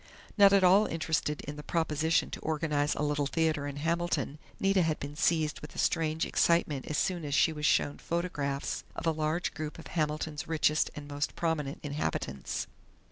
Not at all interested in the proposition to organize a Little Theater in Hamilton, Nita had been seized with a strange excitement as soon as she was shown photographs of a large group of Hamilton's richest and most prominent inhabitants....